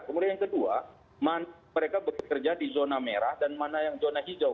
kemudian yang kedua mereka bekerja di zona merah dan mana yang zona hijau